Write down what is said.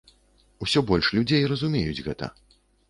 Усё больш людзей разумеюць гэта.